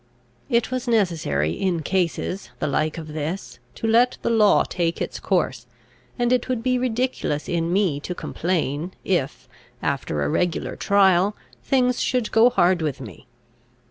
It was necessary, in cases the like of this, to let the law take its course; and it would be ridiculous in me to complain, if, after a regular trial, things should go hard with me.